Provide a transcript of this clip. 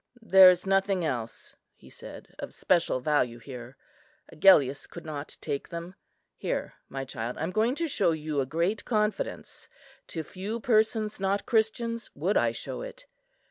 "There is nothing else," he said, "of special value here. Agellius could not take them. Here, my child, I am going to show you a great confidence. To few persons not Christians would I show it.